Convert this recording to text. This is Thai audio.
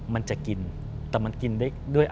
มันจะกินแต่มันกินด้วย